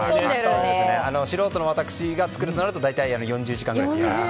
素人の私が作るとなると大体４０時間くらいかかります。